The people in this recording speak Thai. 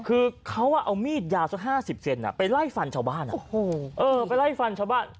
คือเค้าเอามีดยาซัก๕๐เซ็นต์ไปไล่ฝั่งชาวบ้าน